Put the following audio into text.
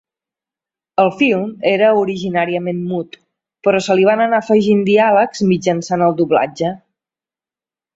El film era originàriament mut, però se li van anar afegint diàlegs mitjançant el doblatge.